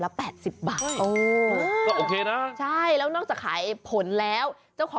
แล้ว๘๐บาทเออก็อาจ